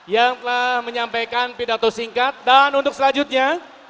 yang telah menyampaikan pidato singkat dan untuk selanjutnya